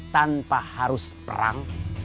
tanpa harus perang